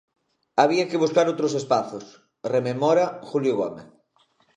Había que buscar outros espazos, rememora Julio Gómez.